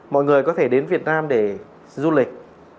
mọi người có thể đến việt nam để du lịch